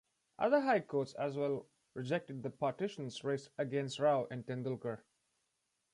Other High Courts as well rejected the petitions raised against Rao and Tendulkar.